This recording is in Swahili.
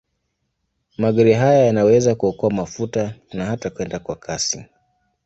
Magari haya yanaweza kuokoa mafuta na kwenda kwa kasi.